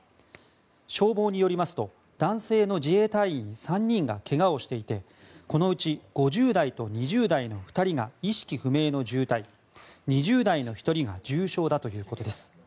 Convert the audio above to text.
消防によりますと男性の自衛隊員３人がけがをしていてこのうち５０代と２０代の２人が意識不明の重体２０代の１人が重傷だということです。